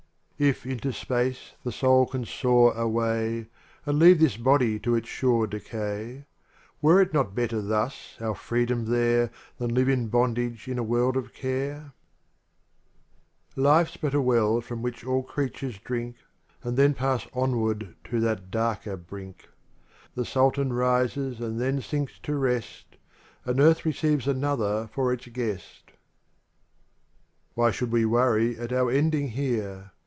XLIV IF into space the sou) can soar away And leave this body to its sure decay t Were it not better thus, our freedom there, Than live in bondage in a world of care ? 3ELV Life's but a well From which all creatures drink And then pass onward to that darker brink, The Sultan rises and then sinks to rest. And earth receives another for its guest. XI. V] Why should we worry at our ending here?